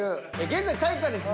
現在体育館にですね